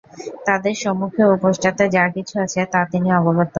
তাদের সম্মুখে ও পশ্চাতে যা কিছু আছে তা তিনি অবগত।